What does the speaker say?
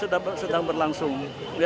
ya insya allah sedang berlangsung